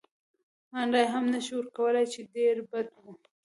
ان رایه هم نه شي ورکولای، چې ډېر بد و.